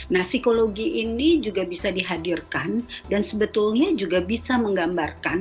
nah psikologi ini juga bisa dihadirkan dan sebetulnya juga bisa menggambarkan